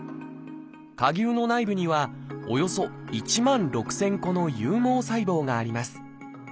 蝸牛の内部にはおよそ１万６，０００個の有毛細胞があります。